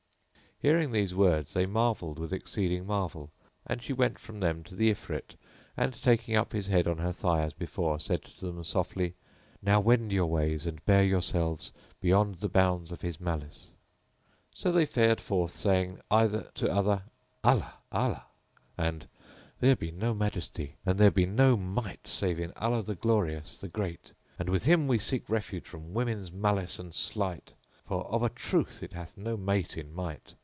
Hearing these words they marvelled with exceeding marvel, and she went from them to the Ifrit and, taking up his head on her thigh as before, said to them softly, "Now wend your ways and bear yourselves beyond the bounds of his malice." So they fared forth saying either to other, "Allah! Allah!" and, "There be no Majesty and there be no Might save in Allah, the Glorious, the Great; and with Him we seek refuge from women's malice and sleight, for of a truth it hath no mate in might.